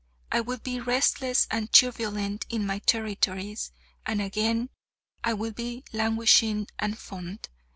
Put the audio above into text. I will be restless and turbulent in my territories: and again, I will be languishing and fond.